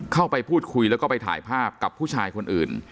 เข้าไปพูดคุยแล้วก็ไปถ่ายภาพกับผู้ชายคนอื่น